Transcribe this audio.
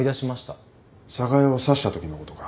寒河江を刺したときのことか？